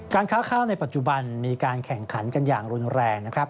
ค้าข้าวในปัจจุบันมีการแข่งขันกันอย่างรุนแรงนะครับ